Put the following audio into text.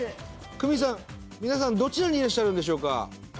九美さん皆さんどちらにいらっしゃるんでしょうか？